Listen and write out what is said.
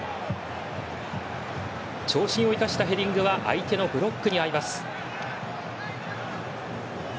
長身を生かしたヘディングは相手のブロックにあいます。